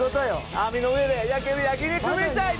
網の上で焼ける焼き肉みたいに！